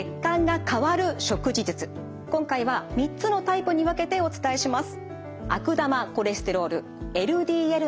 今回は３つのタイプに分けてお伝えします。